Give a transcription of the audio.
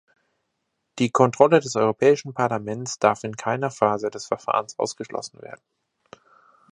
Die Kontrolle des Europäischen Parlaments darf in keiner Phase des Verfahrens ausgeschlossen werden.